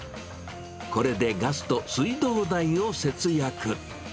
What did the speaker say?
これでガスと水道代を節約。